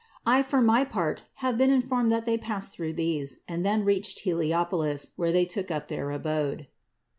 I for my part have been informed that they passed through these and then reached Heliopolis, where they took up their abode.